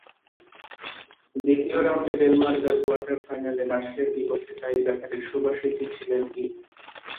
দ্বিতীয় রাউন্ডে ডেনমার্ক আর কোয়ার্টার ফাইনালে রাশিয়ার বিপক্ষে টাইব্রেকারে সুবাসিচই ছিলেন বীর।